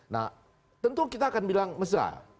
nah tentu kita akan bilang mesra